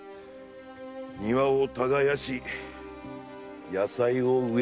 庭を耕し野菜を植える。